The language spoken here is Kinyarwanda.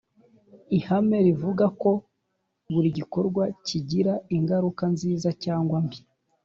ihame rivuga ko buri gikorwa kigira ingaruka nziza cyangwa mbi